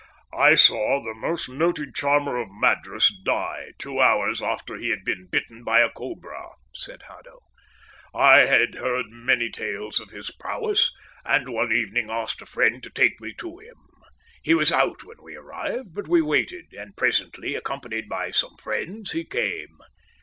"I saw the most noted charmer of Madras die two hours after he had been bitten by a cobra," said Haddo. I had heard many tales of his prowess, and one evening asked a friend to take me to him. He was out when we arrived, but we waited, and presently, accompanied by some friends, he came.